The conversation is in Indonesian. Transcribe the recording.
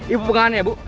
ibu pengangannya bu